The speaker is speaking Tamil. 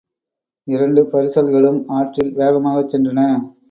இரண்டு பரிசல்களும் ஆற்றில் வேகமாகச் சென்றன.